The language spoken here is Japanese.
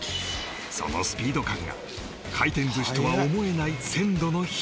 そのスピード感が回転寿司とは思えない鮮度の秘密